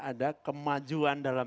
ada kemajuan dalam